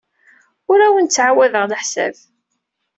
Ur awen-ttɛawadeɣ leḥsab.